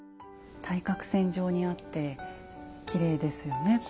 対角線上にあってきれいですよね。